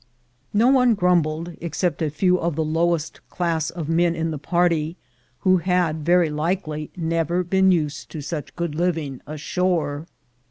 No one 20 THE GOLD HUNTERS grumbled, excepting a few of the lowest class of men in the party, who had very likely never been used to such good livmg ashore.